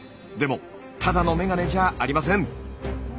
でもただの眼鏡じゃありません。